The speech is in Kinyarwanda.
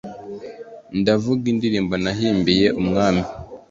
Ndavuga indirimbo nahimbiye umwami